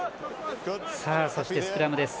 そして、スクラムです。